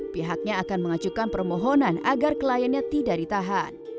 pihaknya akan mengajukan permohonan agar kliennya tidak ditahan